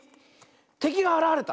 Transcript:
てきがあらわれた。